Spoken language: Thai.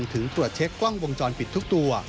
ตรวจเช็คกล้องวงจรปิดทุกตัว